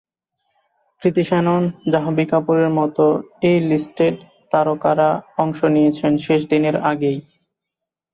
কৃতি শ্যানন, জাহ্নবী কাপুরের মতো ‘এ লিস্টেড’ তারকারা অংশ নিয়েছেন শেষ দিনের আগেই।